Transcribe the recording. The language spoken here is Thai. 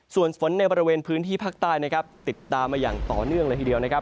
ส่วนฝนในบริเวณพื้นที่ภาคใต้นะครับติดตามมาอย่างต่อเนื่องเลยทีเดียวนะครับ